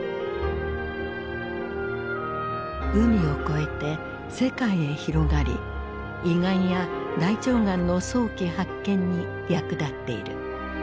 海を越えて世界へ広がり胃がんや大腸がんの早期発見に役立っている。